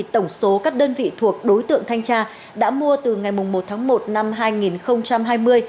tổng số các đơn vị thuộc đối tượng thanh tra đã mua từ ngày một tháng một năm hai nghìn hai mươi